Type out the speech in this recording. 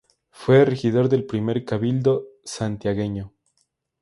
Fue regidor del primer Cabildo santiagueño.